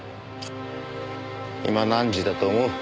今何時だと思う？